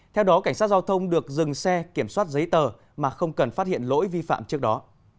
theo đó cảnh sát giao thông được dừng xe kiểm soát giấy tờ mà không cần phát hiện lỗi vi phạm trước đó